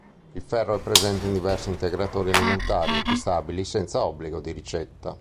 Il ferro è presente in diversi integratori alimentari acquistabili senza obbligo di ricetta.